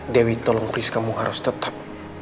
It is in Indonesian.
dewi tolong tulis kamu harus tetap